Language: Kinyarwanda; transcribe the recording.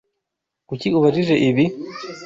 Kuki ubajije ibi?